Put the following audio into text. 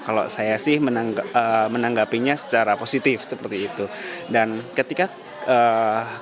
kalau saya sih menanggapinya secara berpikirnya saya tidak bisa memilih karena itu kan sudah ketentuan dari instansi gitu ataupun ketentuan dari pimpinan pimpinan kami gitu